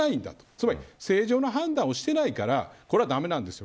つまり、正常な判断をしていないからこれは駄目なんですよ。